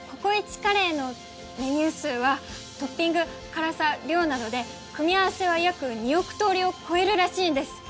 カレーのメニュー数はトッピング辛さ量などで組み合わせは約２億通りを超えるらしいんです。